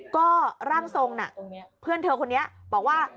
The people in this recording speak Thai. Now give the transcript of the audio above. ก็ร่างทรงน่ะเพื่อนเธอคนนี้บอกว่า